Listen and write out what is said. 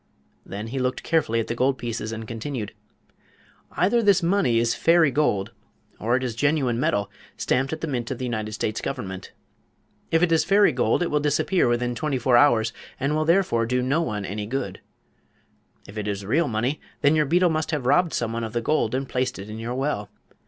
Then he looked carefully at the gold pieces and continued: "Either this money is fairy gold or it is genuine metal, stamped at the mint of the United States government. If it is fairy gold it will disappear within 24 hours, and will therefore do no one any good. If it is real money, then your beetle must have robbed some one of the gold and placed it in your well.